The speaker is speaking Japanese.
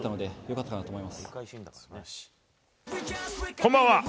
こんばんは。